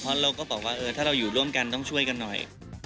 เพราะเราก็บอกว่าถ้าเราอยู่ร่วมกันต้องช่วยกันหน่อย